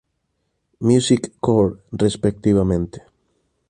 Music Core" respectivamente.